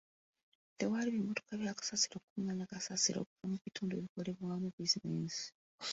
Tewali bimmotoka bya kasasiro kukungaanya kasasiro okuva mu bitndu ebikolebwamu bizinesi.